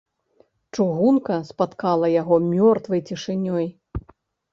Чыгунка спаткала яго мёртвай цішынёй.